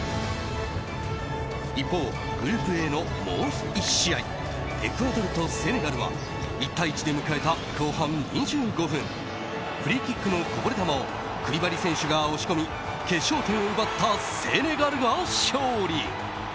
一方、グループＡのもう１試合エクアドルとセネガルは１対１で迎えた後半２５分フリーキックのこぼれ球をクリバリ選手が押し込み決勝点を奪ったセネガルが勝利！